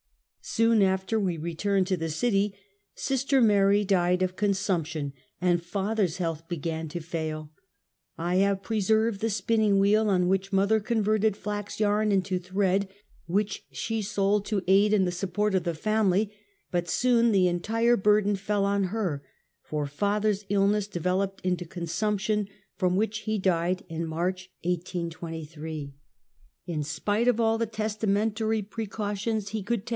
Soon after we returned to the city, sister Mary died of consumption, and father's health began to fail. I have preserved the spinning wheel on which motlier converted flax yarn into thread, which she sold to aid in the support of the family, but soon the entire bur den fell on her, for father's illness developed into con sumption, from which he died in March, 18S3. In spite of all the testamentary precautions he could 20 Half a Centuey.